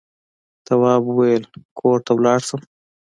تواب وويل: کور ته لاړ شم.